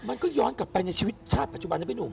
มันก็ย้อนกลับไปในชีวิตชาติปัจจุบันนะพี่หนุ่ม